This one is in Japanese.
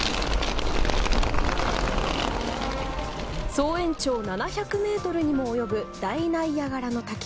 総延長７００ｍにも及ぶ大ナイアガラの滝。